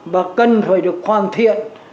và cần phải được hoàn thiện